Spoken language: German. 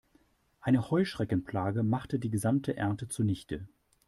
Eine Heuschreckenplage machte die gesamte Ernte zunichte.